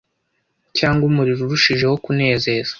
cyangwa umurimo urushijeho kunezeza